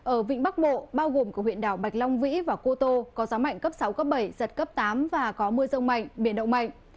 ở vịnh bắc bộ bao gồm của huyện đảo bạch long vĩ và cô tô có gió mạnh cấp sáu cấp bảy giật cấp tám và có mưa rông mạnh biển động mạnh